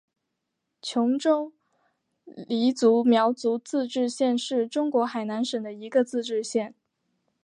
琼中黎族苗族自治县是中国海南省的一个自治县。